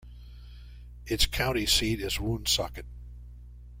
Its county seat is Woonsocket.